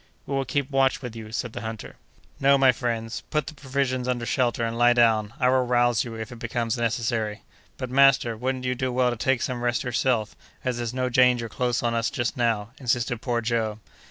"We will keep watch with you," said the hunter. "No, my friends, put the provisions under shelter, and lie down; I will rouse you, if it becomes necessary." "But, master, wouldn't you do well to take some rest yourself, as there's no danger close on us just now?" insisted poor Joe.